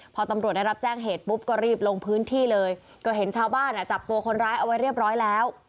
พอตำรวจได้รับแจ้งเหตุปุ๊บก็รีบลงพื้นที่เลยก็เห็นชาวบ้านอ่ะจับตัวคนร้ายเอาไว้เรียบร้อยแล้ว